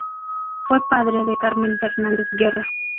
Fue padre de Carmen Fernández-Guerra.